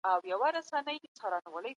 بې له هڅو د تخنيک پرمختيا نه رامنځته کيږي.